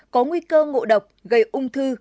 có nguy cơ ngộ độc gây ung thư